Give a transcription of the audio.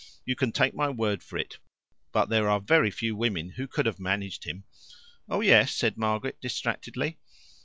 You can take my word for it, but there are very few women who could have managed him." "Oh yes," said Margaret distractedly.